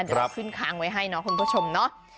เดี๋ยวเราขึ้นค้างไว้ให้เนาะคุณผู้ชมเนาะ